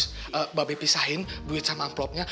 mba be pisahin duit sama envelope nya